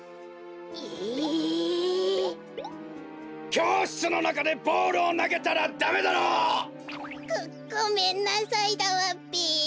きょうしつのなかでボールをなげたらダメだろ！ごごめんなさいだわべ。